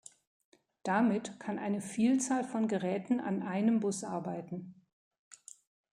Damit kann eine Vielzahl von Geräten an einem Bus arbeiten.